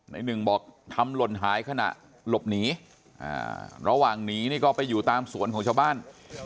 ในหนึ่งบอกทำหล่นหายขณะหลบหนีระหว่างหนีนี่ก็ไปอยู่ตามสวนของชาวบ้าน